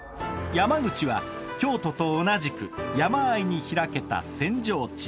山口は京都と同じく山あいに開けた扇状地。